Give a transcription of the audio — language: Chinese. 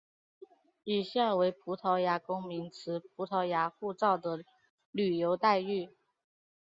以下为葡萄牙公民持葡萄牙护照的旅游待遇。